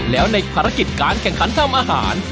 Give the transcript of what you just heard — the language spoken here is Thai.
แล้วในภารกิจการแข่งขันทำอาหาร